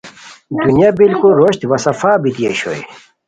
دنیا بالکل روشت وا صفا بیتی اوشوئے